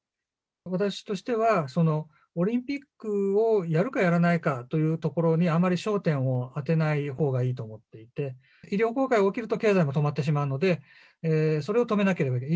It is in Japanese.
私としては、オリンピックをやるかやらないかというところに、あまり焦点を当てないほうがいいと思っていて、医療崩壊が起きると経済が止まってしまうので、それを止めなければいけない。